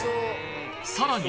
さらに